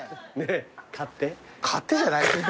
買ってじゃないよ。